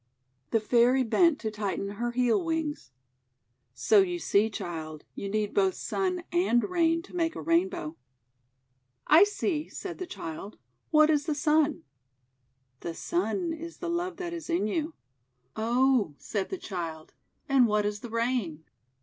The Fairy bent to tighten her heel wings. "So you see, Child, you need both Sun and Rain to make a Rainbow." "I see," said the Child. "What is the Sun?" "The Sun is the Love That is in You." "Oh!" said the Child. "And what is the Rain?"